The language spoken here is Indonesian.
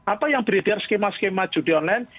apa yang beredar skema skema judi online